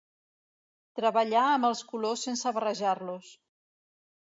Treballà amb els colors sense barrejar-los.